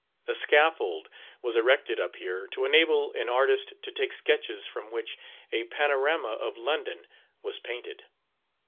A scaffold was erected up here to enable an artist to take sketches from which a panorama of London was painted.